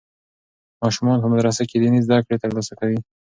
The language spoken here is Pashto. ماشومان په مدرسه کې دیني زده کړې ترلاسه کوي.